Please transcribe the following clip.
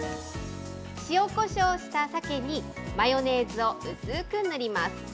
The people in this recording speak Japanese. しおこしょうしたさけに、マヨネーズを薄く塗ります。